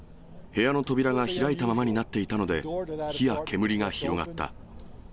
部屋の扉が開いたままになっていたので、火や煙が広がった。